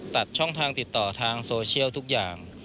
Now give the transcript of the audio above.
ตัดช่องทางติดต่อทางโซเชียลทุกอย่าง